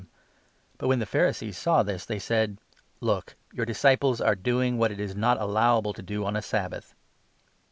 them But, when the Pharisees saw this, 2 they said :" Look ! your disciples are doing what it is not allowable to do on a Sabbath